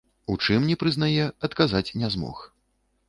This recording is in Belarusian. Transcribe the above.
У чым не прызнае, адказаць не змог.